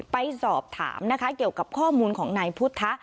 ไปสอบถามนะคะเกี่ยวกับข้อมูลของนายพุทธะ